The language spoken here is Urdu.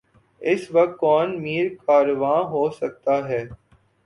اس وقت کون میر کارواں ہو سکتا ہے؟